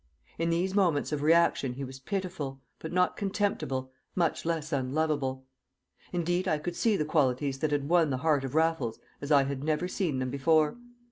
In these moments of reaction he was pitiful, but not contemptible, much less unlovable. Indeed, I could see the qualities that had won the heart of Raffles as I had never seen them before.